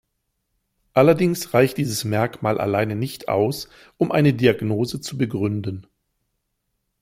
Allerdings reicht dieses Merkmal alleine nicht aus, um eine Diagnose zu begründen.